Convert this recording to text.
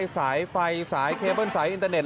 สายไฟสายเคเบิ้ลสายอินเตอร์เน็